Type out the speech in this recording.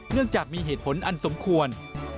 เนื่องจากมีเหตุผลอันสมควร